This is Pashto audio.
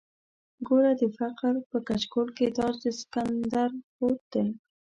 ګوره د فقیر په کچکول کې تاج د سکندر پروت دی.